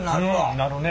なるね。